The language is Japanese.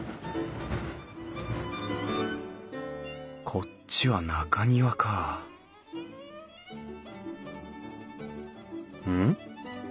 こっちは中庭かうん？